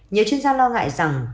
nhiều chuyên gia lo ngại rằng